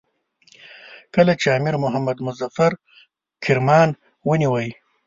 کله چې امیر محمد مظفر کرمان ونیوی.